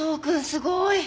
すごい！